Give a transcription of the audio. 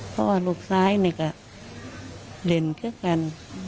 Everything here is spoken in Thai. เพราะว่าลูกสะพ้ายนี่ก็เลนเกือบเป็น